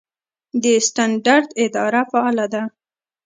د سټنډرډ اداره فعاله ده؟